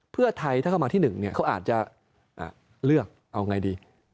เพื่อไทยถ้าเขามาที่หนึ่งเนี่ยเขาอาจจะเลือกเอาไงดี